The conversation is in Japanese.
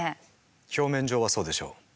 表面上はそうでしょう。